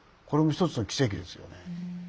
これも一つの奇跡ですよね。